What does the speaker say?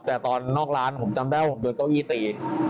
แต่ตอนนอกร้านผมจำได้ว่าผมโดนเก้าอี้ตี